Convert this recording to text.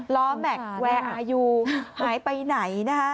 ล้อแม็กซ์แวร์อายุหายไปไหนนะคะคุณผู้ชมสามารถนะ